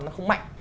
nó không mạnh